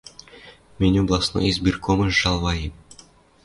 — Мӹнь областной избиркомыш жалваем!